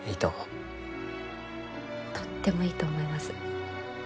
とってもいいと思います。